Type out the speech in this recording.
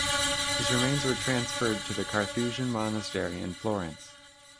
His remains were transferred to the Carthusian monastery in Florence.